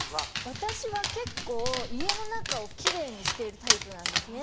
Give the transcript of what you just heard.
私は結構家の中を奇麗にしてるタイプなんですね。